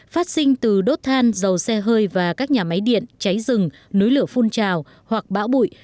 phát sinh từ đốt than dầu xe hơi và các nhà máy điện cháy rừng núi lửa phun trào hoặc bão bụi